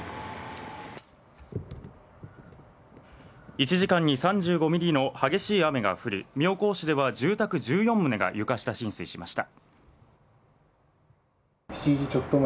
１時間に３５ミリの激しい雨が降り、妙高市では住宅１４棟が床下浸水しました。